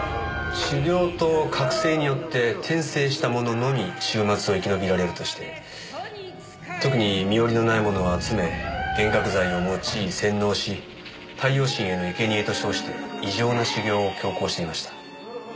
修行と覚醒によって転生した者のみ終末を生き延びられるとして特に身寄りのない者を集め幻覚剤を用い洗脳し太陽神へのいけにえと称して異常な修行を強行していました。